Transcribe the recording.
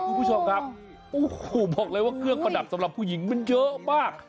คุณผู้ชมครับโอ้โหบอกเลยว่าเครื่องประดับสำหรับผู้หญิงมันเยอะมาก